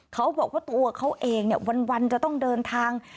เขาบอกว่าตัวเขาเองวันจะต้องเดินทาง